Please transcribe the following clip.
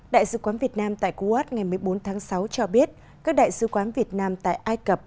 đại sứ quán việt nam tại kuwait ngày một mươi bốn tháng sáu cho biết các đại sứ quán việt nam tại ai cập